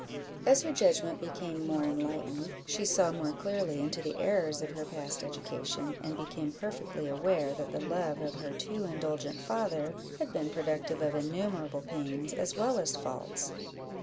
As her judgment became more enlightened, she saw more clearly into the errors of her past education, and became perfectly aware that the love of her too indulgent father had been productive of innumerable pains, as well as faults.